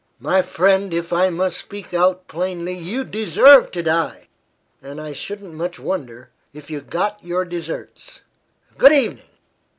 My friend, if I must speak out plainly, you deserve to die and I shouldn't much wonder if you got your deserts! Good evening!"